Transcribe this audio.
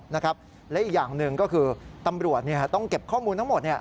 และอีกอย่างหนึ่งก็คือตำรวจต้องเก็บข้อมูลทั้งหมด